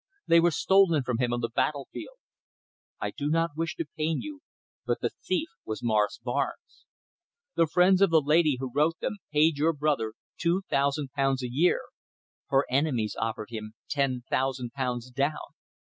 They were stolen from him on the battlefield. I do not wish to pain you, but the thief was Morris Barnes. The friends of the lady who wrote them paid your brother two thousand pounds a year. Her enemies offered him ten thousand pounds down.